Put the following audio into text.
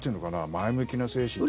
前向きな精神って。